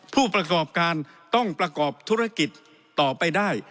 ผู้ประกอบการต้องประกอบธุรกิจต่อไปได้